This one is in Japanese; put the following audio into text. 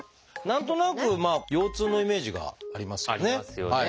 何となく腰痛のイメージがありますよね。